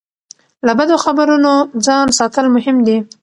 له بدو خبرونو ځان ساتل مهم دي.